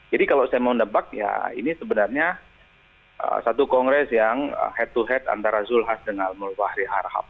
jadi kalau saya mau nebak ya ini sebenarnya satu kongres yang head to head antara zulhaz dengan molfahari harhab